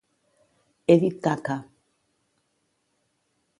He dit caca.